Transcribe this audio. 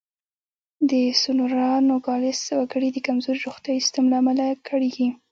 د سونورا نوګالس وګړي د کمزوري روغتیايي سیستم له امله کړېږي.